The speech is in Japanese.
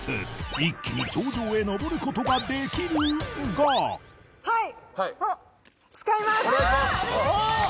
一気に頂上へのぼることができる！がはい使いますおっ！